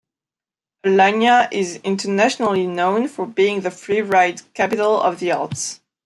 Alagna is internationally known for being the freeride capital of the Alps.